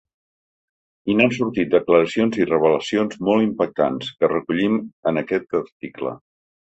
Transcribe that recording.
I n’han sortit declaracions i revelacions molt impactants, que recollim en aquest article.